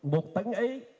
một tấn ấy